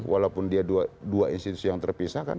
walaupun dia dua institusi yang terpisah kan